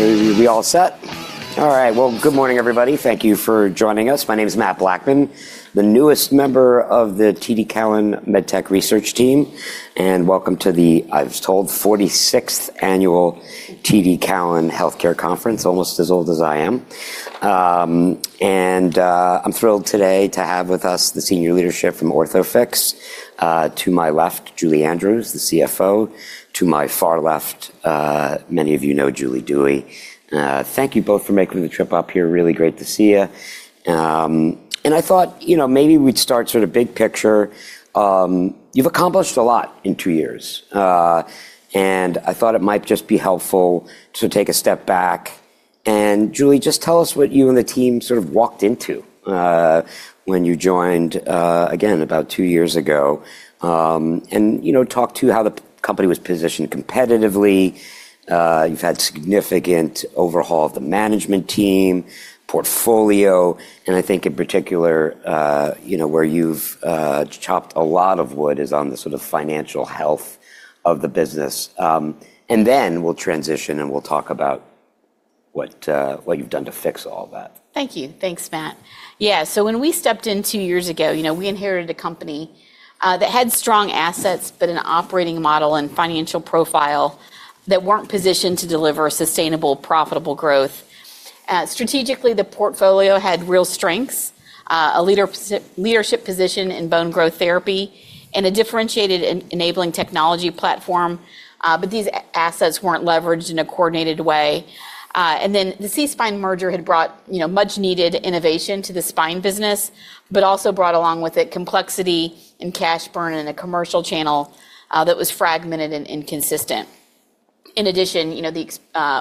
Are we all set? All right. Well, good morning, everybody. Thank you for joining us. My name is Matt Blackman, the newest member of the TD Cowen MedTech research team. Welcome to the, I was told, 46th annual TD Cowen Healthcare Conference, almost as old as I am. I'm thrilled today to have with us the senior leadership from Orthofix. To my left, Julie Andrews, the CFO. To my far left, many of you know Julie Dewey. Thank you both for making the trip up here. Really great to see you. I thought, you know, maybe we'd start sort of big picture. You've accomplished a lot in two years, and I thought it might just be helpful to take a step back and, Julie, just tell us what you and the team sort of walked into when you joined again about two years ago. You know, talk to how the company was positioned competitively. You've had significant overhaul of the management team, portfolio, and I think in particular, you know, where you've chopped a lot of wood is on the sort of financial health of the business. Then we'll transition, and we'll talk about what you've done to fix all that. Thank you. Thanks, Matt. Yeah. When we stepped in two years ago, you know, we inherited a company that had strong assets, but an operating model and financial profile that weren't positioned to deliver sustainable, profitable growth. Strategically, the portfolio had real strengths, a leadership position in Bone Growth Therapy and a differentiated enabling technology platform, but these assets weren't leveraged in a coordinated way. The SeaSpine merger had brought, you know, much needed innovation to the spine business, but also brought along with it complexity and cash burn in a commercial channel that was fragmented and inconsistent. In addition, you know, the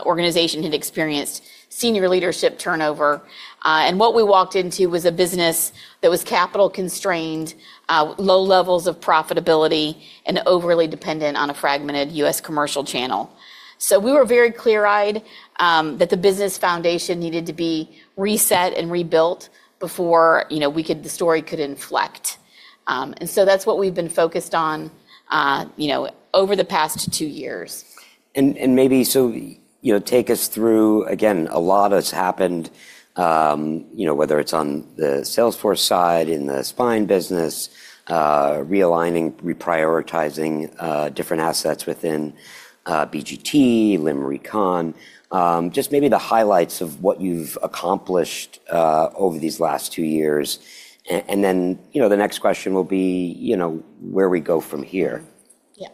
organization had experienced senior leadership turnover, and what we walked into was a business that was capital constrained, low levels of profitability and overly dependent on a fragmented U.S. commercial channel. We were very clear-eyed, that the business foundation needed to be reset and rebuilt before, you know, the story could inflect. That's what we've been focused on, you know, over the past two years. You know, take us through, again, a lot has happened, you know, whether it's on the Salesforce side, in the spine business, realigning, reprioritizing, different assets within BGT, Limb Recon, just maybe the highlights of what you've accomplished over these last two years. You know, the next question will be, you know, where we go from here. Yeah.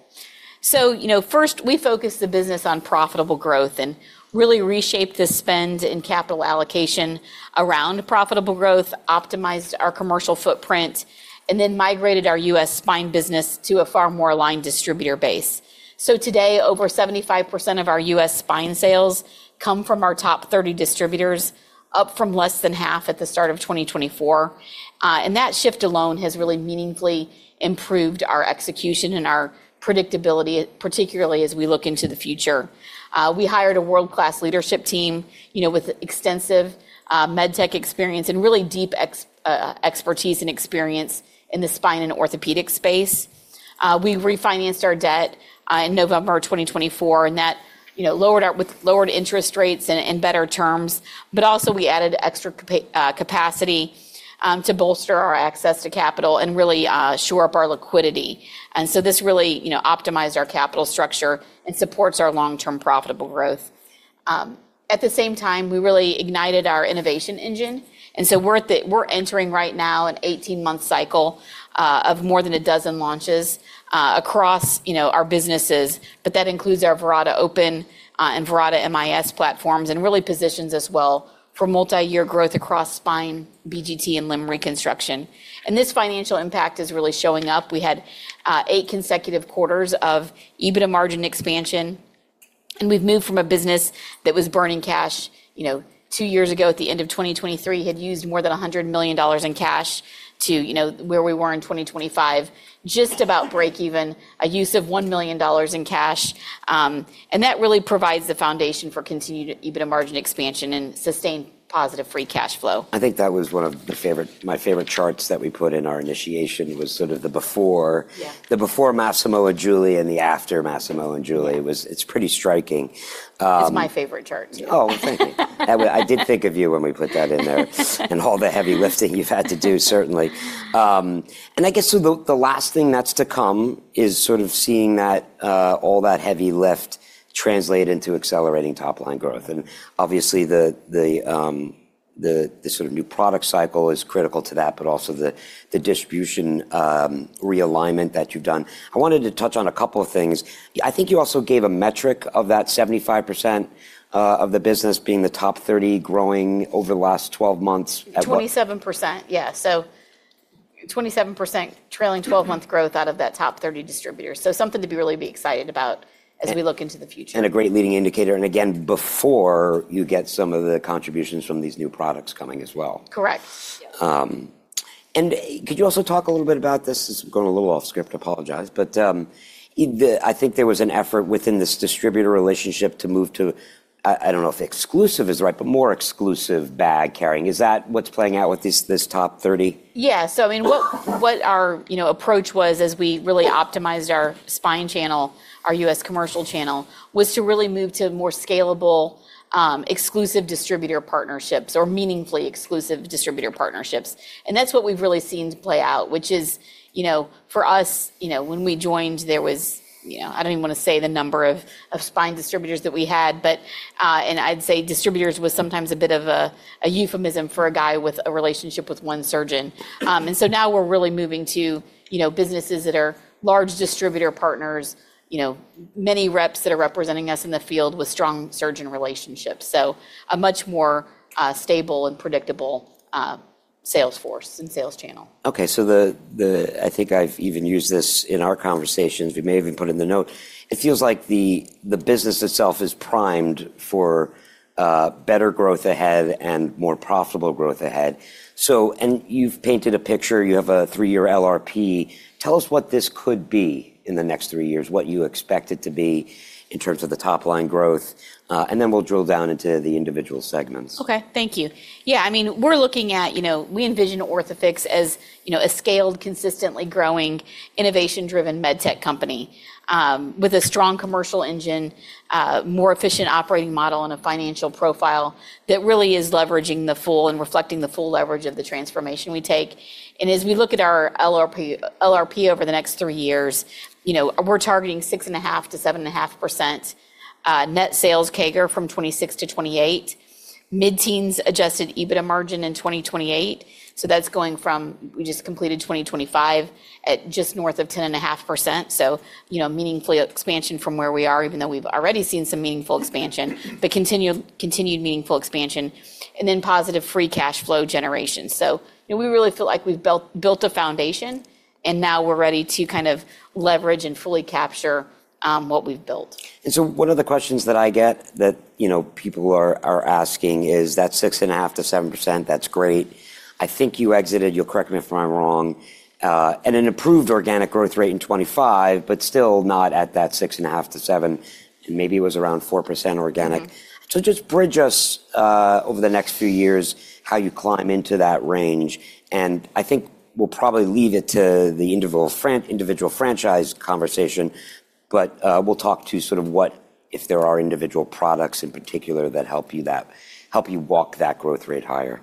You know, first, we focused the business on profitable growth and really reshaped the spend and capital allocation around profitable growth, optimized our commercial footprint, migrated our U.S. spine business to a far more aligned distributor base. Today, over 75% of our U.S. spine sales come from our top 30 distributors, up from less than half at the start of 2024. That shift alone has really meaningfully improved our execution and our predictability, particularly as we look into the future. We hired a world-class leadership team, you know, with extensive MedTech experience and really deep expertise and experience in the spine and orthopedic space. We refinanced our debt in November of 2024, and that, you know, with lowered interest rates and better terms, but also we added extra capacity to bolster our access to capital and really shore up our liquidity. This really, you know, optimized our capital structure and supports our long-term profitable growth. At the same time, we really ignited our innovation engine. We're entering right now an 18-month cycle of more than 12 launches across, you know, our businesses, but that includes our Verata Open and Verata MIS platforms and really positions us well for multi-year growth across spine, BGT, and Limb Reconstruction. This financial impact is really showing up. We had eight consecutive quarters of EBITDA margin expansion, and we've moved from a business that was burning cash, you know, two years ago at the end of 2023, had used more than $100 million in cash to, you know, where we were in 2025, just about breakeven, a use of $1 million in cash. That really provides the foundation for continued EBITDA margin expansion and sustained positive free cash flow. I think that was my favorite charts that we put in our initiation was sort of the. Yeah. The before Massimo and Julie and the after Massimo and Julie. Yeah. It's pretty striking. It's my favorite chart too. Oh, thank you. I did think of you when we put that in there. All the heavy lifting you've had to do, certainly. I guess the last thing that's to come is sort of seeing that all that heavy lift translate into accelerating top-line growth. Obviously the sort of new product cycle is critical to that, but also the distribution realignment that you've done. I wanted to touch on a couple of things. I think you also gave a metric of that 75% of the business being the top 30 growing over the last 12 months at what- 27%. Yeah. 27% trailing 12-month growth out of that top 30 distributors. Something to be really excited about as we look into the future. A great leading indicator, and again, before you get some of the contributions from these new products coming as well. Correct. Yeah. Could you also talk a little bit about this? This is going a little off script, I apologize, but I think there was an effort within this distributor relationship to move to, I don't know if exclusive is right, but more exclusive bag carrying. Is that what's playing out with this top 30? I mean, what our, you know, approach was as we really optimized our spine channel, our U.S. commercial channel, was to really move to more scalable, exclusive distributor partnerships or meaningfully exclusive distributor partnerships. That's what we've really seen play out, which is, you know, for us, you know, when we joined, there was, you know, I don't even wanna say the number of spine distributors that we had, but, and I'd say distributors was sometimes a bit of a euphemism for a guy with a relationship with one surgeon. Now we're really moving to, you know, businesses that are large distributor partners, you know, many reps that are representing us in the field with strong surgeon relationships. A much more stable and predictable sales force and sales channel. Okay. I think I've even used this in our conversations. We may have even put it in the note. It feels like the business itself is primed for better growth ahead and more profitable growth ahead. You've painted a picture. You have a three year LRP. Tell us what this could be in the next three years, what you expect it to be in terms of the top line growth, and then we'll drill down into the individual segments. Okay. Thank you. Yeah. I mean, we're looking at, you know, we envision Orthofix as, you know, a scaled, consistently growing, innovation-driven MedTech company with a strong commercial engine, more efficient operating model, and a financial profile that really is leveraging the full and reflecting the full leverage of the transformation we take. As we look at our LRP over the next three years, you know, we're targeting 6.5% to 7.5% net sales CAGR from 2026 to 2028, mid-teens Adjusted EBITDA margin in 2028. That's going from, we just completed 2025 at just north of 10.5%, you know, meaningful expansion from where we are, even though we've already seen some meaningful expansion, continued meaningful expansion, positive free cash flow generation. You know, we really feel like we've built a foundation, and now we're ready to kind of leverage and fully capture what we've built. One of the questions that I get that, you know, people are asking is that 6.5%-7%, that's great. I think you exited, you'll correct me if I'm wrong, at an improved organic growth rate in 25, but still not at that 6.5%-7%, and maybe it was around 4% organic. Mm-hmm. Just bridge us over the next few years, how you climb into that range, and I think we'll probably leave it to the individual franchise conversation, but, we'll talk to sort of what, if there are individual products in particular that help you, that help you walk that growth rate higher.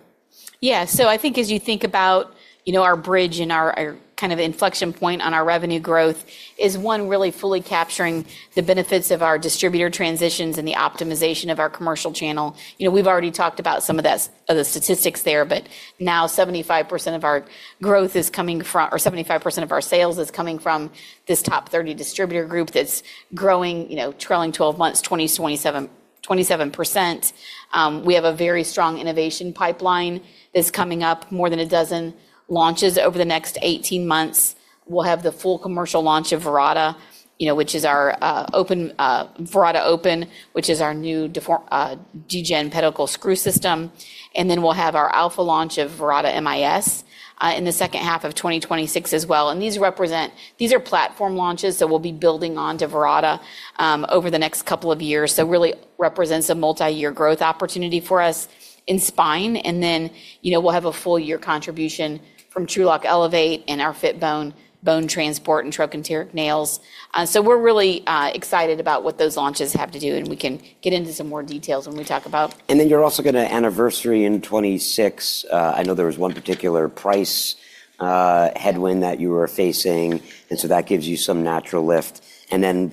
I think as you think about, you know, our bridge and our kind of inflection point on our revenue growth is, one, really fully capturing the benefits of our distributor transitions and the optimization of our commercial channel. You know, we've already talked about some of that of the statistics there, but now 75% of our growth is coming from, or 75% of our sales is coming from this top 30 distributor group that's growing, you know, trailing 12 months, 20%-27%. We have a very strong innovation pipeline that's coming up. More than a dozen launches over the next 18 months. We'll have the full commercial launch of Verata, you know, which is our open Verata Open, which is our new DGen Pedicle Screw System. We'll have our alpha launch of Verata MIS in the second half of 2026 as well. These are platform launches that we'll be building onto Verata over the next couple of years. Really represents a multi-year growth opportunity for us in spine. You know, we'll have a full year contribution from TrueLok Elevate and our FitBone bone transport and trochanteric nails. We're really excited about what those launches have to do, and we can get into some more details when we talk about... You're also gonna anniversary in 2026. I know there was one particular price headwind that you were facing, and so that gives you some natural lift.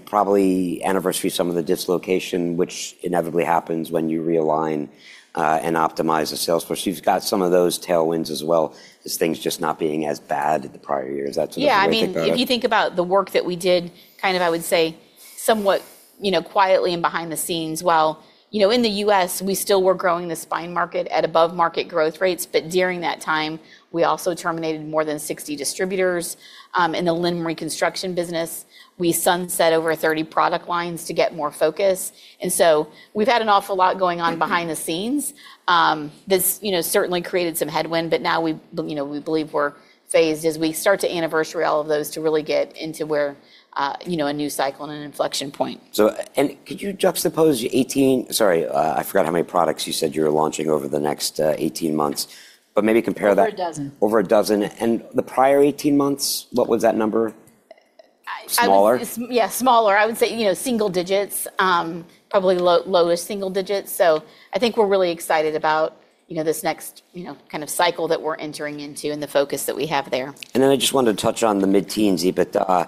Probably anniversary some of the dislocation, which inevitably happens when you realign and optimize the sales force. You've got some of those tailwinds as well, just things just not being as bad as the prior years. That's sort of how I think about it. Yeah. I mean, if you think about the work that we did, kind of, I would say, somewhat, you know, quietly and behind the scenes, while, you know, in the U.S., we still were growing the spine market at above market growth rates. During that time, we also terminated more than 60 distributors in the Limb Reconstruction business. We sunset over 30 product lines to get more focus, we've had an awful lot going on behind the scenes. This, you know, certainly created some headwind, now we, you know, we believe we're phased as we start to anniversary all of those to really get into where, you know, a new cycle and an inflection point. Could you juxtapose Sorry, I forgot how many products you said you were launching over the next 18 months, maybe compare that? Over a dozen. Over a dozen. The prior 18 months, what was that number? Uh, I would- Smaller? Yeah, smaller. I would say, you know, single digits, probably low, lowest single digits. I think we're really excited about, you know, this next, you know, kind of cycle that we're entering into and the focus that we have there. I just wanted to touch on the mid-teens EBITDA.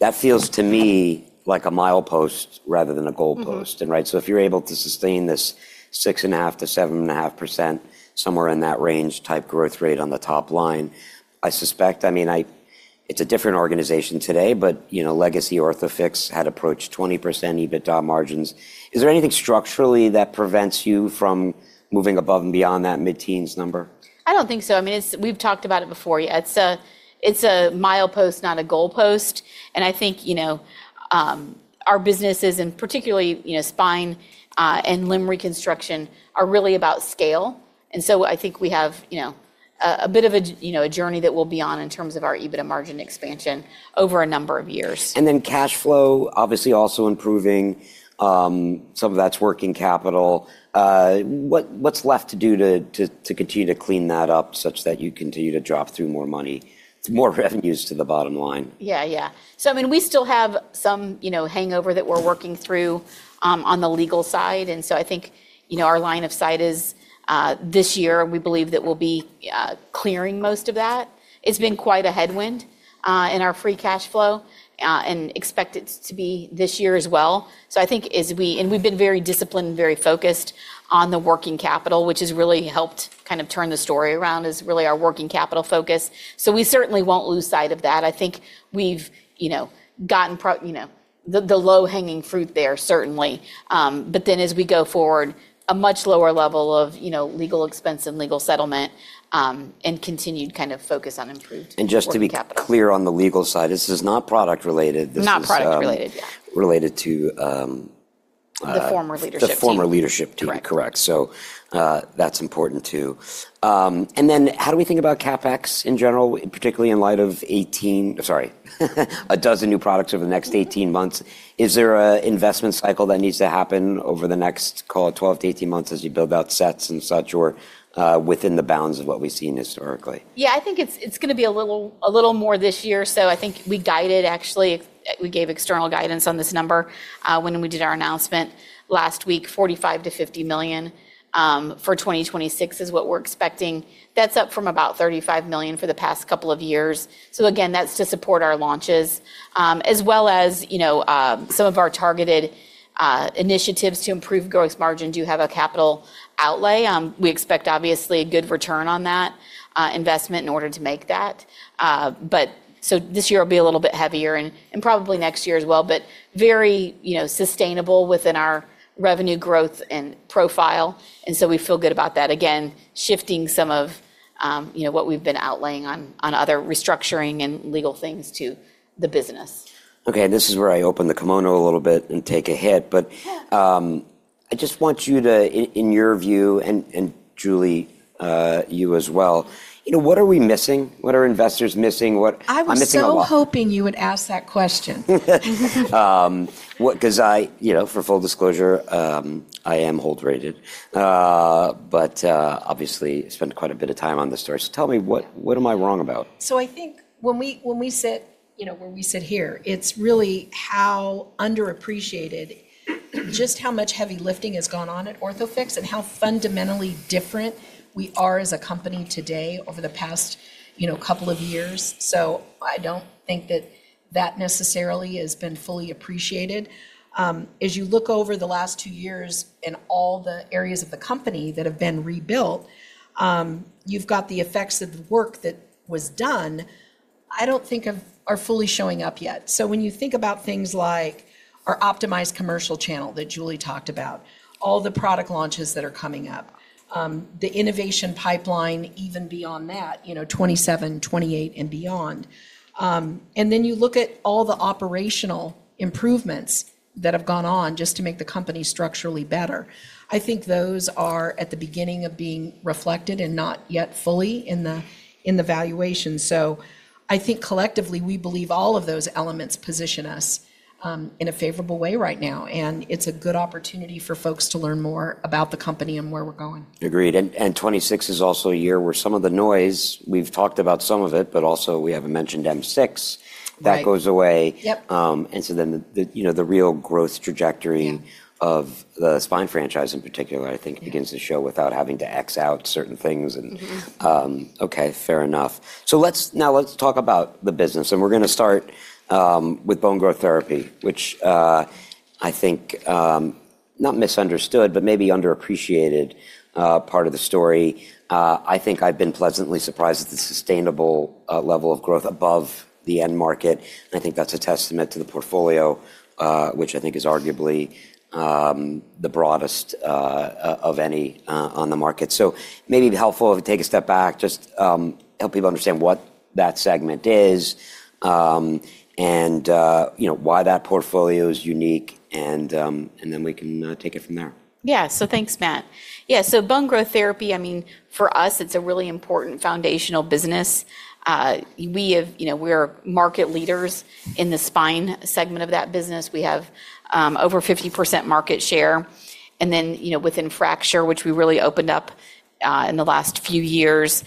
That feels to me like a milepost rather than a goalpost. Mm-hmm. Right, so if you're able to sustain this 6.5%-7.5%, somewhere in that range type growth rate on the top line, I suspect, I mean, it's a different organization today, but, you know, legacy Orthofix had approached 20% EBITDA margins. Is there anything structurally that prevents you from moving above and beyond that mid-teens number? I don't think so. I mean, we've talked about it before. Yeah, it's a, it's a milepost, not a goalpost, and I think, you know, our businesses and particularly, you know, spine, and Limb Reconstruction are really about scale. I think we have, you know, a bit of a journey that we'll be on in terms of our EBITDA margin expansion over a number of years. Cash flow obviously also improving. Some of that's working capital. What's left to do to continue to clean that up such that you continue to drop through more money, more revenues to the bottom line? Yeah. Yeah. I mean, we still have some, you know, hangover that we're working through on the legal side. I think, you know, our line of sight is this year we believe that we'll be clearing most of that. It's been quite a headwind in our free cash flow and expect it to be this year as well. I think and we've been very disciplined and very focused on the working capital, which has really helped kind of turn the story around, is really our working capital focus. We certainly won't lose sight of that. I think we've, you know, gotten, you know, the low-hanging fruit there certainly. As we go forward, a much lower level of, you know, legal expense and legal settlement, and continued kind of focus on improved working capital. Just to be clear, on the legal side, this is not product related. This is- Not product related, yeah.... related to, The former leadership team.... the former leadership team. Correct. Correct. That's important too. Then how do we think about CapEx in general, particularly in light of 12 new products over the next 18 months. Is there a investment cycle that needs to happen over the next, call it 12-18 months, as you build out sets and such, or within the bounds of what we've seen historically? Yeah, I think it's gonna be a little, a little more this year. I think we guided actually, we gave external guidance on this number when we did our announcement last week. $45 million-$50 million for 2026 is what we're expecting. Again, that's up from about $35 million for the past couple of years. That's to support our launches, as well as, you know, some of our targeted initiatives to improve gross margin do have a capital outlay. We expect obviously a good return on that investment in order to make that. This year will be a little bit heavier and probably next year as well, but very, you know, sustainable within our revenue growth and profile, and so we feel good about that. Shifting some of, you know, what we've been outlaying on other restructuring and legal things to the business. Okay. This is where I open the kimono a little bit and take a hit. Yeah. I just want you to, in your view, and Julie, you as well, you know, what are we missing? What are investors missing? What I'm missing a lot. I was so hoping you would ask that question. 'cause I, you know, for full disclosure, I am hold-rated. Obviously spend quite a bit of time on the story. Tell me, what am I wrong about? I think when we sit, you know, when we sit here, it's really how underappreciated, just how much heavy lifting has gone on at Orthofix and how fundamentally different we are as a company today over the past, you know, couple of years. I don't think that necessarily has been fully appreciated. As you look over the last two years in all the areas of the company that have been rebuilt, you've got the effects of the work that was done, are fully showing up yet. When you think about things like our optimized commercial channel that Julie talked about, all the product launches that are coming up, the innovation pipeline even beyond that, you know, 2027, 2028 and beyond. You look at all the operational improvements that have gone on just to make the company structurally better. I think those are at the beginning of being reflected and not yet fully in the, in the valuation. I think collectively, we believe all of those elements position us in a favorable way right now, and it's a good opportunity for folks to learn more about the company and where we're going. Agreed. 2026 is also a year where some of the noise, we've talked about some of it, but also we haven't mentioned M6-C... Right... that goes away. Yep. The, you know, the real growth trajectory- Yeah... of the spine franchise in particular, I think begins to show without having to X out certain things. Mm-hmm okay, fair enough. Now let's talk about the business, and we're gonna start with Bone Growth Therapy, which, I think, not misunderstood, but maybe underappreciated part of the story. I think I've been pleasantly surprised at the sustainable level of growth above the end market, and I think that's a testament to the portfolio, which I think is arguably the broadest of any on the market. May be helpful if we take a step back, just help people understand what that segment is, and, you know, why that portfolio is unique, and then we can take it from there. Yeah. Thanks, Matt. Yeah, Bone Growth Therapy, I mean, for us, it's a really important foundational business. We're market leaders in the spine segment of that business. We have, over 50% market share. Within fracture, which we really opened up in the last few years,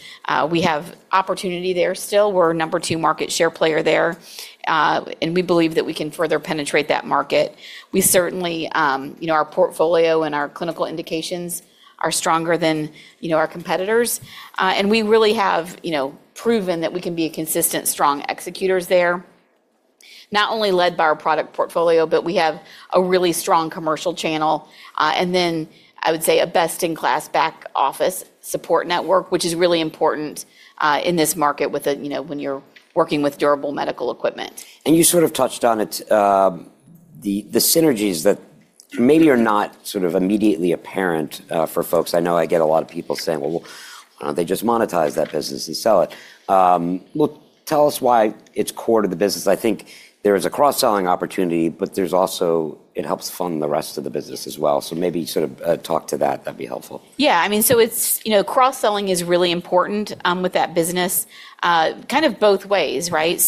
we have opportunity there still. We're a number two market share player there, and we believe that we can further penetrate that market. We certainly, you know, our portfolio and our clinical indications are stronger than, you know, our competitors. We really have, you know, proven that we can be a consistent, strong executors there, not only led by our product portfolio, but we have a really strong commercial channel. I would say a best-in-class back office support network, which is really important, in this market with you know, when you're working with durable medical equipment. You sort of touched on it, the synergies maybe are not sort of immediately apparent for folks. I know I get a lot of people saying, "Well, why don't they just monetize that business and sell it?" Well, tell us why it's core to the business. I think there is a cross-selling opportunity, but there's also it helps fund the rest of the business as well. Maybe sort of talk to that. That'd be helpful. I mean, you know, cross-selling is really important with that business kind of both ways, right?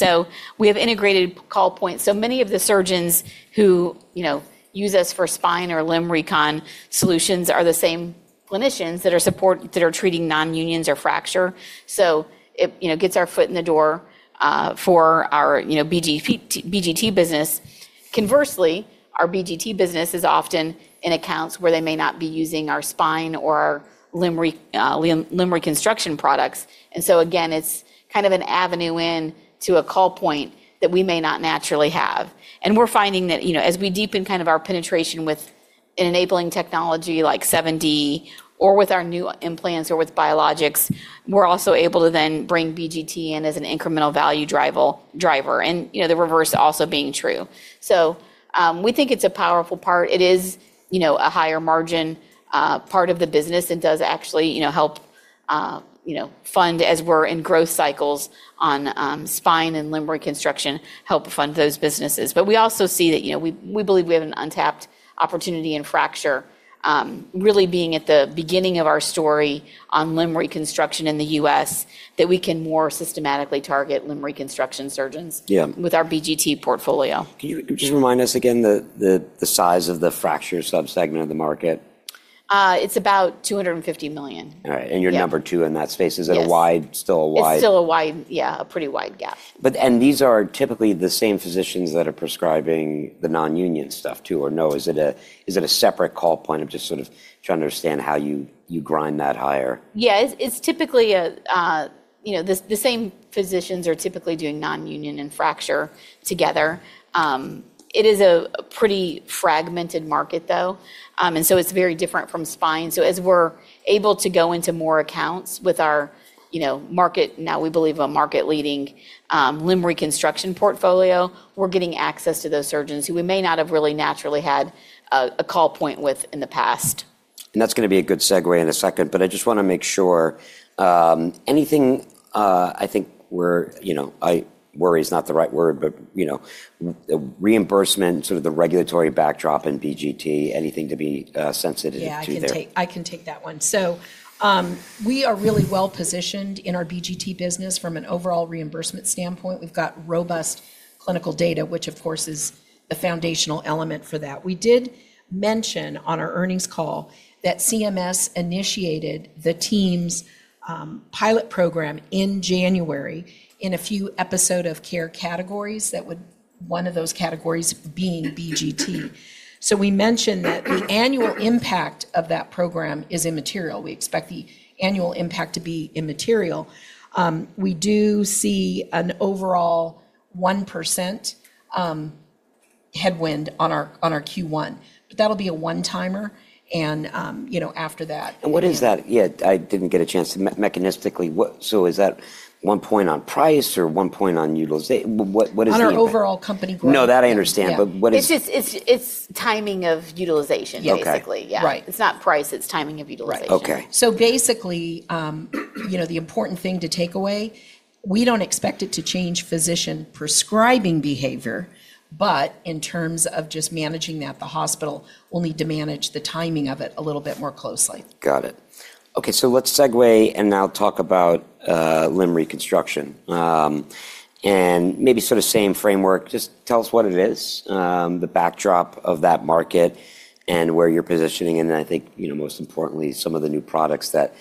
We have integrated call points. Many of the surgeons who, you know, use us for spine or limb recon solutions are the same clinicians that are treating nonunions or fracture. It, you know, gets our foot in the door for our, you know, BGT business. Conversely, our BGT business is often in accounts where they may not be using our spine or Limb Reconstruction products. Again, it's kind of an avenue in to a call point that we may not naturally have. We're finding that, you know, as we deepen kind of our penetration with an enabling technology like 7D or with our new implants or with biologics, we're also able to then bring BGT in as an incremental value driver. You know, the reverse also being true. We think it's a powerful part. It is, you know, a higher margin part of the business and does actually, you know, help, you know, fund as we're in growth cycles on spine and Limb Reconstruction, help fund those businesses. We also see that, you know, we believe we have an untapped opportunity in fracture, really being at the beginning of our story on Limb Reconstruction in the U.S. that we can more systematically target Limb Reconstruction surgeons- Yeah... with our BGT portfolio. Can you just remind us again the size of the fracture subsegment of the market? It's about $250 million. All right. Yeah. You're number two in that space. Yes. Is it a wide, still a wide-? It's still a wide, yeah, a pretty wide gap. These are typically the same physicians that are prescribing the nonunion stuff too, or no? Is it a separate call point? I'm just sort of trying to understand how you grind that higher. Yeah. It's typically a, you know. The same physicians are typically doing nonunion and fracture together. It is a pretty fragmented market though. It's very different from spine. As we're able to go into more accounts with our, you know, market, now we believe a market-leading, Limb Reconstruction portfolio, we're getting access to those surgeons who we may not have really naturally had a call point with in the past. That's gonna be a good segue in a second, but I just wanna make sure, anything, I think we're, you know, worry is not the right word but, you know, reimbursement, sort of the regulatory backdrop in BGT, anything to be sensitive to there? Yeah, I can take that one. We are really well-positioned in our BGT business from an overall reimbursement standpoint. We've got robust clinical data, which of course is the foundational element for that. We did mention on our earnings call that CMS initiated the team's pilot program in January in a few episode of care categories that one of those categories being BGT. We mentioned that the annual impact of that program is immaterial. We expect the annual impact to be immaterial. We do see an overall 1% headwind on our Q1, but that'll be a one-timer and, you know, after that. What is that? Yeah, I didn't get a chance to. Is that one point on price or one point on utilization? On our overall company growth. No, that I understand. Yeah. But what is- It's just, it's timing of utilization- Okay. Basically. Yeah. Right. It's not price, it's timing of utilization. Okay. Basically, you know, the important thing to take away, we don't expect it to change physician prescribing behavior, but in terms of just managing that, the hospital will need to manage the timing of it a little bit more closely. Got it. Okay. Let's segue and now talk about Limb Reconstruction. Maybe sort of same framework, just tell us what it is, the backdrop of that market and where you're positioning. I think, you know, most importantly, some of the new products that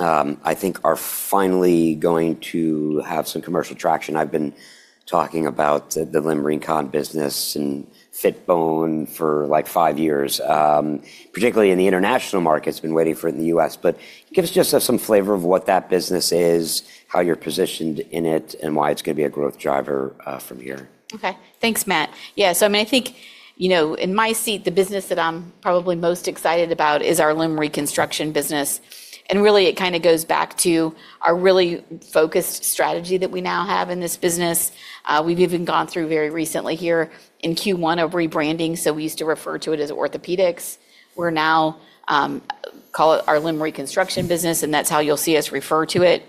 I think are finally going to have some commercial traction. I've been talking about the Limb Reconstruction business and FitBone for, like, five years. Particularly in the international market, it's been waiting for it in the U.S. Give us just some flavor of what that business is, how you're positioned in it, and why it's gonna be a growth driver from here. Okay. Thanks, Matt. Yeah. I mean, I think, you know, in my seat, the business that I'm probably most excited about is our Limb Reconstruction business, and really it kind of goes back to our really focused strategy that we now have in this business. We've even gone through very recently here in Q1 a rebranding. We used to refer to it as orthopedics. We now call it our Limb Reconstruction business, and that's how you'll see us refer to it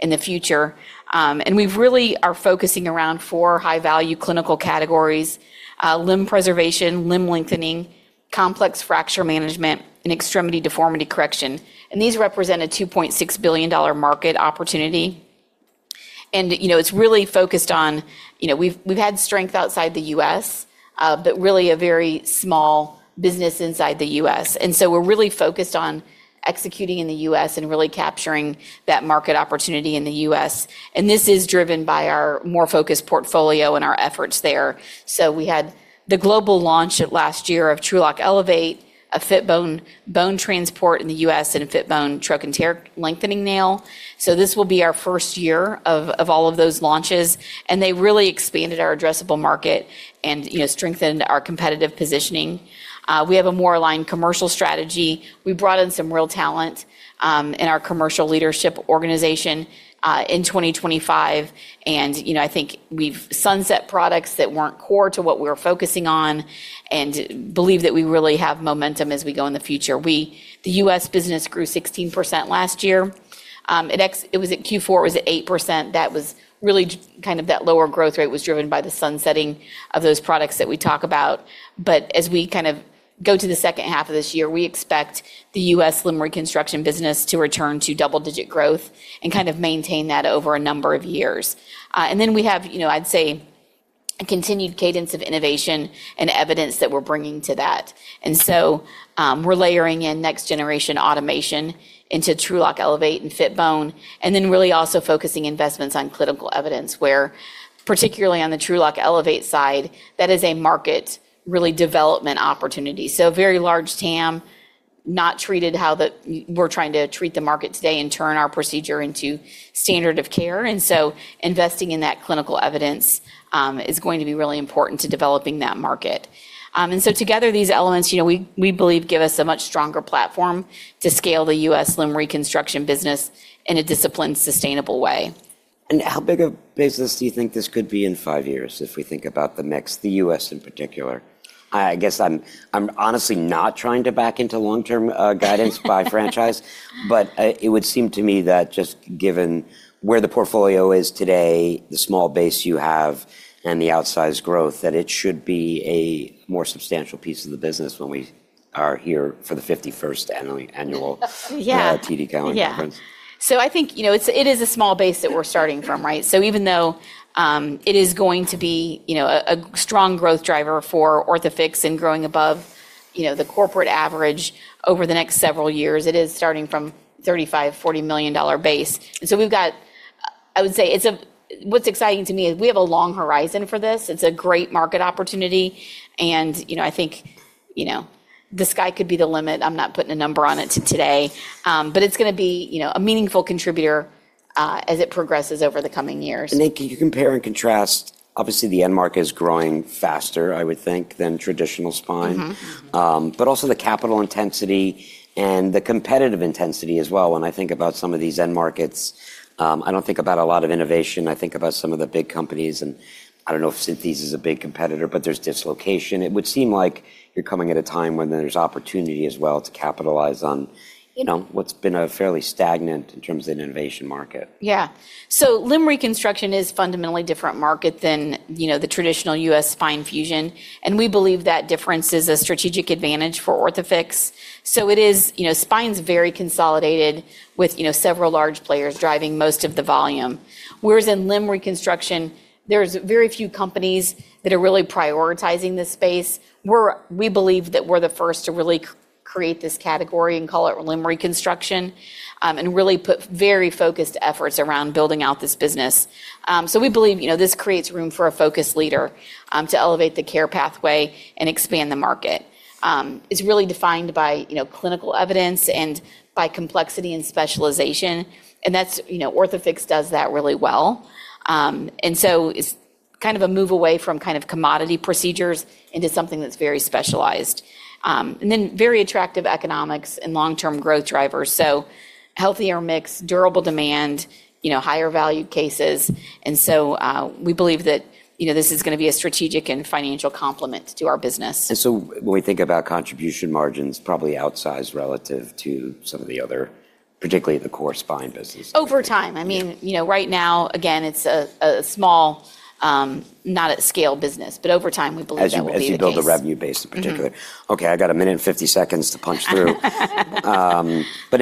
in the future. We've really are focusing around four high-value clinical categories: Limb Preservation, limb lengthening, complex fracture management, and extremity deformity correction. These represent a $2.6 billion market opportunity. You know, it's really focused on, you know, we've had strength outside the U.S., but really a very small business inside the U.S. We're really focused on executing in the U.S. and really capturing that market opportunity in the U.S., and this is driven by our more focused portfolio and our efforts there. We had the global launch last year of TrueLok Elevate, FitBone, bone transport in the U.S., and a FitBone trochanteric lengthening nail. This will be our first year of all of those launches, and they really expanded our addressable market and, you know, strengthened our competitive positioning. We have a more aligned commercial strategy. We brought in some real talent in our commercial leadership organization in 2025. You know, I think we've sunset products that weren't core to what we're focusing on and believe that we really have momentum as we go in the future. The U.S. business grew 16% last year. It was at Q4, it was at 8%. That was kind of that lower growth rate was driven by the sunsetting of those products that we talk about. As we Go to the second half of this year, we expect the U.S. Limb Reconstruction business to return to double-digit growth and kind of maintain that over a number of years. Then we have, you know, I'd say a continued cadence of innovation and evidence that we're bringing to that. We're layering in next-generation automation into TrueLok Elevate and FitBone, and then really also focusing investments on clinical evidence where particularly on the TrueLok Elevate side, that is a market really development opportunity. Very large TAM, not treated how we're trying to treat the market today and turn our procedure into standard of care. Investing in that clinical evidence, is going to be really important to developing that market. Together, these elements, you know, we believe give us a much stronger platform to scale the U.S. Limb Reconstruction business in a disciplined, sustainable way. How big a business do you think this could be in five years if we think about the mix, the U.S. in particular? I'm honestly not trying to back into long-term guidance by franchise, it would seem to me that just given where the portfolio is today, the small base you have, and the outsized growth, that it should be a more substantial piece of the business when we are here for the 51st annual. Yeah annual TD Cowen conference. I think, you know, it is a small base that we're starting from, right? Even though it is going to be, you know, a strong growth driver for Orthofix and growing above, you know, the corporate average over the next several years, it is starting from $35 million-$40 million base. I would say what's exciting to me is we have a long horizon for this. It's a great market opportunity, you know, I think, you know, the sky could be the limit. I'm not putting a number on it today, but it's gonna be, you know, a meaningful contributor as it progresses over the coming years. Can you compare and contrast? Obviously, the end market is growing faster, I would think, than traditional spine. Mm-hmm. Also the capital intensity and the competitive intensity as well. When I think about some of these end markets, I don't think about a lot of innovation. I think about some of the big companies, and I don't know if Synthes is a big competitor, but there's dislocation. It would seem like you're coming at a time when there's opportunity as well to capitalize. You know. You know, what's been a fairly stagnant in terms of innovation market. Limb Reconstruction is fundamentally different market than, you know, the traditional U.S. spine fusion, and we believe that difference is a strategic advantage for Orthofix. It is. You know, spine's very consolidated with, you know, several large players driving most of the volume, whereas in Limb Reconstruction, there's very few companies that are really prioritizing this space. We believe that we're the first to really create this category and call it Limb Reconstruction, and really put very focused efforts around building out this business. We believe, you know, this creates room for a focus leader to elevate the care pathway and expand the market. It's really defined by, you know, clinical evidence and by complexity and specialization, and that's, you know, Orthofix does that really well. It's kind of a move away from kind of commodity procedures into something that's very specialized. Then very attractive economics and long-term growth drivers, so healthier mix, durable demand, you know, higher valued cases. We believe that, you know, this is gonna be a strategic and financial complement to our business. When we think about contribution margins, probably outsized relative to some of the other, particularly the core spine business. Over time. I mean, you know, right now, again, it's a small, not at scale business, but over time we believe that will be the case. As you build the revenue base in particular. Mm-hmm. Okay, I got a minute and 50 seconds to punch through.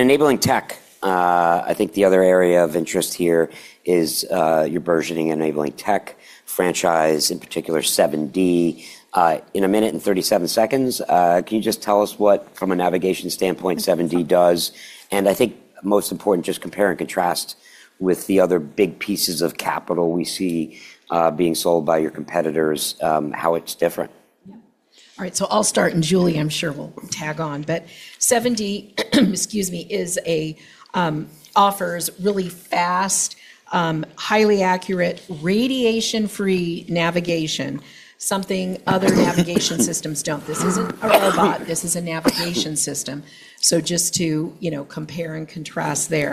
Enabling tech, I think the other area of interest here is your versioning enabling tech franchise, in particular 7D. In a minute and 37 seconds, can you just tell us what from a navigation standpoint 7D does? I think most important, just compare and contrast with the other big pieces of capital we see being sold by your competitors, how it's different. Yeah. All right, I'll start, and Julie, I'm sure, will tag on. 7D, excuse me, is a offers really fast, highly accurate, radiation-free navigation, something other navigation systems don't. This isn't a robot. This is a navigation system. Just to, you know, compare and contrast there.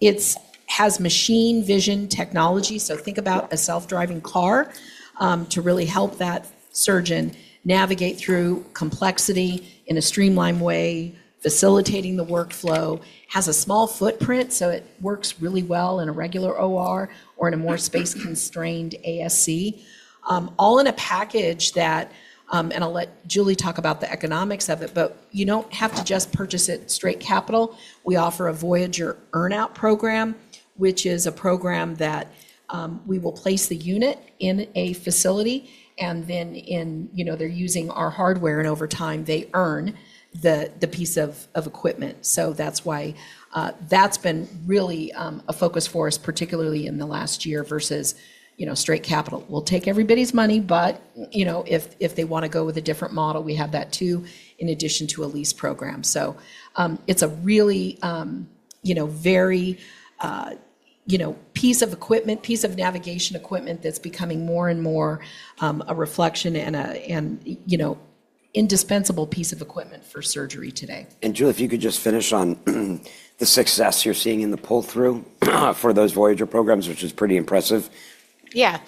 It's has machine-vision technology, so think about a self-driving car, to really help that surgeon navigate through complexity in a streamlined way, facilitating the workflow. Has a small footprint, so it works really well in a regular OR or in a more space-constrained ASC. All in a package that I'll let Julie talk about the economics of it, but you don't have to just purchase it straight capital. We offer a Voyager earn-out program, which is a program that, we will place the unit in a facility, and then, you know, they're using our hardware, and over time, they earn the piece of equipment. That's why that's been really a focus for us, particularly in the last year versus, you know, straight capital. We'll take everybody's money, but, you know, if they wanna go with a different model, we have that too in addition to a lease program. It's a really, you know, very, you know, piece of equipment, piece of navigation equipment that's becoming more and more a reflection and, you know, indispensable piece of equipment for surgery today. Julie, if you could just finish on the success you're seeing in the pull-through for those Voyager programs, which is pretty impressive. Julie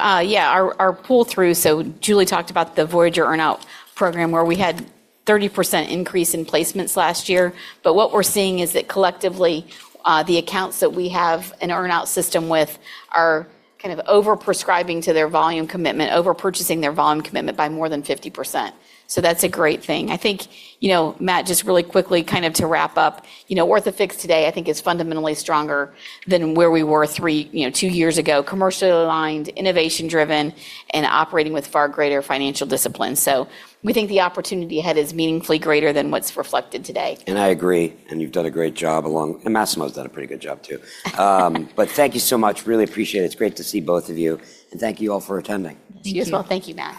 talked about the Voyager earn-out program, where we had 30% increase in placements last year. What we're seeing is that collectively, the accounts that we have an earn-out system with are kind of over-prescribing to their volume commitment, over-purchasing their volume commitment by more than 50%. That's a great thing. I think, you know, Matt, just really quickly kind of to wrap up, you know, Orthofix today I think is fundamentally stronger than where we were three, you know, two years ago, commercially aligned, innovation driven, and operating with far greater financial discipline. We think the opportunity ahead is meaningfully greater than what's reflected today. Massimo's done a pretty good job too. Thank you so much. Really appreciate it. It's great to see both of you. Thank you all for attending. You as well. Thank you, Matt.